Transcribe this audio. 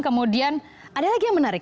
kemudian ada lagi yang menarik